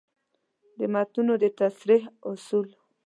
د متونو د تصحیح اصول: